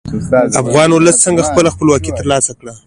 افغان ولس څنګه خپله خپلواکي تر لاسه کړه؟